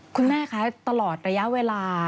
คุณแม่คะตลอดระยะเวลา